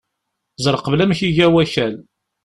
Ẓer qbel amek i iga wakal.